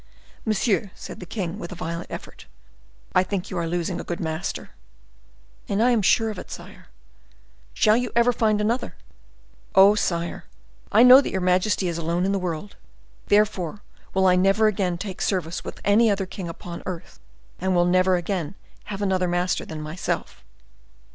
"Monsieur," said the king, with a violent effort, "I think you are losing a good master." "And I am sure of it, sire." "Shall you ever find such another?" "Oh, sire! I know that your majesty is alone in the world; therefore will I never again take service with any other king upon earth, and will never again have other master than myself."